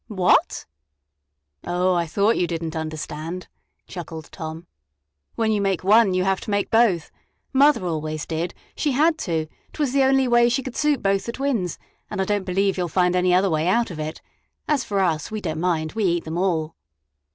"What!" "Oh, I thought you didn't understand," chuckled Tom. "When you make one, you have to make both. Mother always did she had to; 't was the only way she could suit both the twins, and I don't believe you 'll find any other way out of it. As for us we don't mind; we eat them all!"